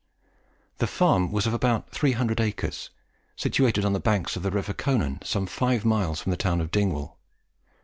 The farm was of about 300 acres, situated on the banks of the river Conan, some five miles from the town of Dingwall.